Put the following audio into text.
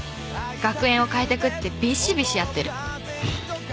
「学園を変えてくってびしびしやってる。